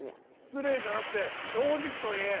「失礼」じゃなくて「正直」と言え！